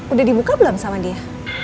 udah dibuka belum sama dia